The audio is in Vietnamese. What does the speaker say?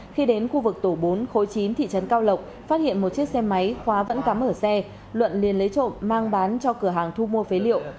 khi đến khu vực tổ bốn khối chín thị trấn cao lộc phát hiện một chiếc xe máy khóa vẫn cắm ở xe luận liền lấy trộm mang bán cho cửa hàng thu mua phế liệu